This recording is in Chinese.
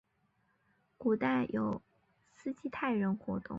古代有斯基泰人活动。